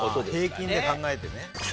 平均で考えてね。